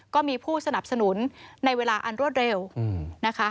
ก็มีผู้สนับสนุนในเวลาอันรวดเร็วนะคะ